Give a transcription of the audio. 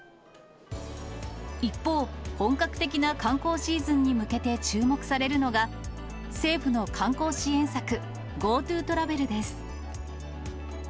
一方、本格的な観光シーズンに向けて注目されるのが、政府の観光支援策、ＧｏＴｏトラベルです。